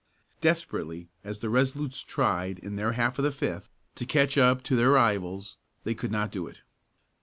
Desperately as the Resolutes tried in their half of the fifth to catch up to their rivals, they could not do it.